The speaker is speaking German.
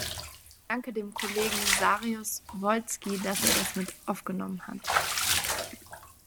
Ich danke dem Kollegen Saryusz-Wolski, dass er das mit aufgenommen hat.